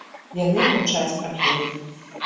Яны маўчаць аб ёй.